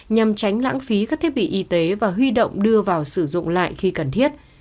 nhằm tránh lãng phí các thiết bị y tế và huy động đưa vào sử dụng lại khi cần thiết